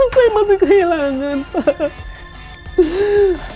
saya masih kehilangan pak